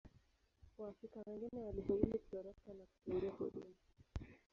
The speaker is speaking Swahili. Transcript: Waafrika wengine walifaulu kutoroka na kukimbia porini.